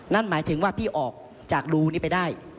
นั่นหมายถึงว่าพี่ออกจากรูนี้ไปได้